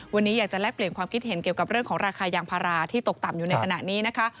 วันนี้อยากจะแลกเปลี่ยนความคิดเห็นเกี่ยวกับเรื่องของราคายางพาราที่ตกต่ำอยู่ในขณะนี้นะคะ